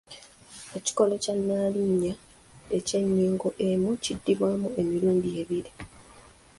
Ekikolo kya nnaalinnya ey’ennyingo emu kiddibwamu emirundi ebiri.